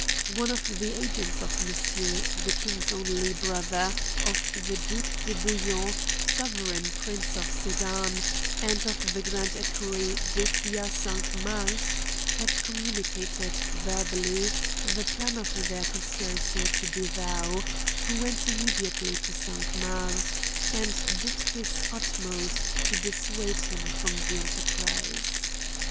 One of the agents of Monsieur, ihe king's only brother, of the Duke de Bouillon^ sovereign prince of Sedan, and of the grand Equerry d^Effiat Cinq Mars^ had communicated, verbally, the plan of their conspiracy to De Thou, who went immediately to Cinq Mars, and did his utmost to dissuade him from the enterprise.